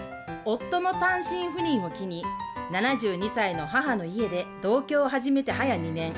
夫の単身赴任を機に７２歳の母の家で同居を始めて、早２年。